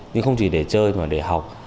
nhưng không chỉ để chơi mà để học